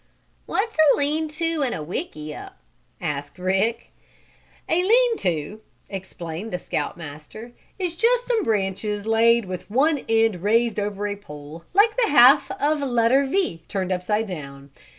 "What's a lean to and a wickiup?" asked Rick. "A lean to," explained the Scout Master, "is just some tree branches laid with one end raised over a pole, like the half of a letter V turned upside down.